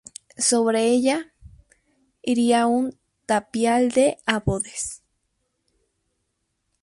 Sobre ella, iría un tapial de adobes.